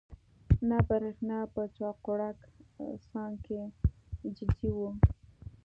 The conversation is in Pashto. نه برېښنا په چاقوړک، سانکۍ ججي وو